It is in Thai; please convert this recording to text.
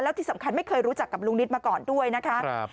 ที่สำคัญไม่เคยรู้จักกับลุงนิดมาก่อนด้วยนะคะ